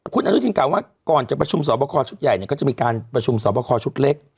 คุณอนุทินกล่าวว่าก่อนจะประชุมสอบคอชุดใหญ่เนี่ยก็จะมีการประชุมสอบคอชุดเล็ก